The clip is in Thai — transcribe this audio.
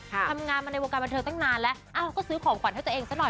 ทำงานมาในวงการบันเทิงตั้งนานแล้วก็ซื้อของขวัญให้ตัวเองซะหน่อย